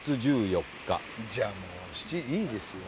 じゃあもういいですよ。